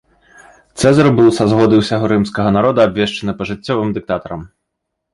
Цэзар быў са згоды ўсяго рымскага народа абвешчаны пажыццёвым дыктатарам.